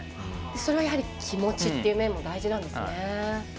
それはやはり気持ちという面も大事なんですね。